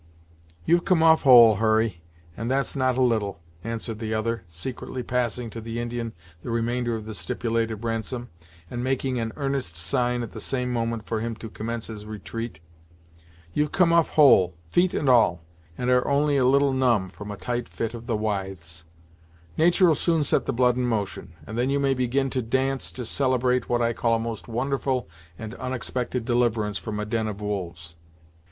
"You've come off whole, Hurry, and that's not a little," answered the other, secretly passing to the Indian the remainder of the stipulated ransom, and making an earnest sign at the same moment for him to commence his retreat. "You've come off whole, feet and all, and are only a little numb from a tight fit of the withes. Natur'll soon set the blood in motion, and then you may begin to dance, to celebrate what I call a most wonderful and onexpected deliverance from a den of wolves."